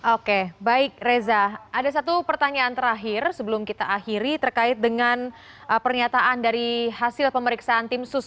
oke baik reza ada satu pertanyaan terakhir sebelum kita akhiri terkait dengan pernyataan dari hasil pemeriksaan tim sus